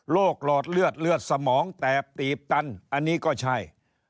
หลอดเลือดเลือดสมองแตกตีบตันอันนี้ก็ใช่